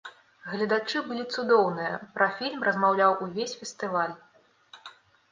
Гледачы былі цудоўныя, пра фільм размаўляў увесь фестываль.